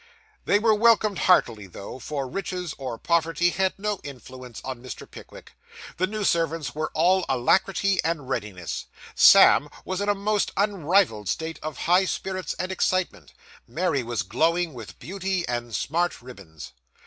They were welcomed heartily though, for riches or poverty had no influence on Mr. Pickwick; the new servants were all alacrity and readiness; Sam was in a most unrivalled state of high spirits and excitement; Mary was glowing with beauty and smart ribands.